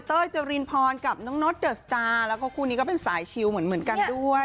เต้อเจอรินพรกับน้องนดเดอร์สตาร์แล้วก็คู่นี้ก็เป็นสายชิลเหมือนเหมือนกันด้วย